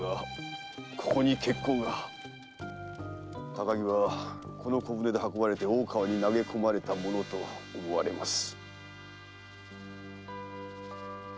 高木はこの小舟で運ばれて大川に投げ込まれたものと思われます。